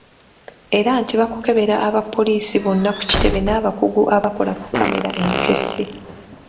Era nti baakukebera abapoliisi bonna ku kitebe n’abakugu abakola ku kkamera enkessi.